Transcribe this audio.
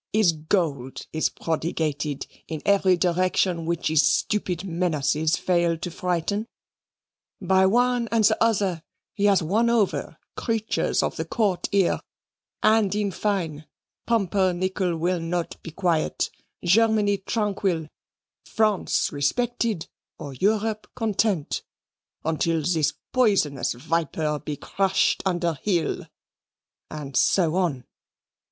His gold is prodigated in every direction which his stupid menaces fail to frighten. By one and the other, he has won over creatures of the Court here and, in fine, Pumpernickel will not be quiet, Germany tranquil, France respected, or Europe content until this poisonous viper be crushed under heel": and so on.